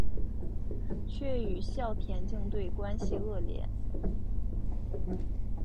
却与校田径队关系恶劣。